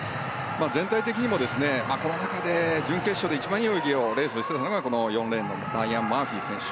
全体的にもこの中で準決勝で一番いい泳ぎをレースをしているのが４レーンのライアン・マーフィー選手。